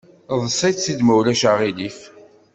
Eḍs‑itt-id ma ulac aɣilif!